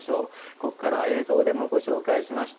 ここからは映像でもご紹介しました